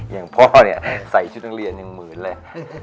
อย่างพ่อเนี่ยใส่ชุดนักเรียนยังเหมือนเลย